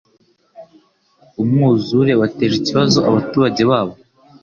Umwuzure wateje ikibazo abaturage babo.